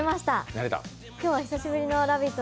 今日は久しぶりの「ラヴィット！」